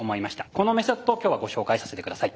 このメソッドを今日はご紹介させて下さい。